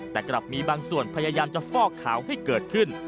แต่กลับมีบางส่วนพยายามจะฟอกขาวให้เกิดขึ้น